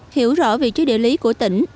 hiểu rõ vị trí địa lý của tỉnh